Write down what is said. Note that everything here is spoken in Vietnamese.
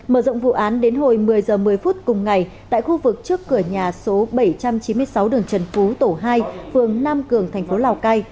mở rộng vụ án đến hồi một mươi h một mươi phút cùng ngày tại khu vực trước cửa nhà số bảy trăm chín mươi sáu đường trần phú tổ hai phường nam cường thành phố lào cai